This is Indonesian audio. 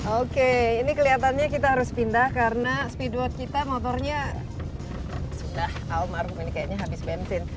oke ini kelihatannya kita harus pindah karena speedboat kita motornya sudah almarhum ini kayaknya habis bensin